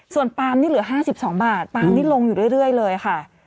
ส่วนปามนี่เหลือ๕๒บาทปาล์มนี่ลงอยู่เรื่อยเลยค่ะ